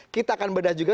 kita akan bedah juga